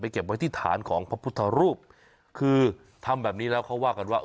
เก็บไว้ที่ฐานของพระพุทธรูปคือทำแบบนี้แล้วเขาว่ากันว่า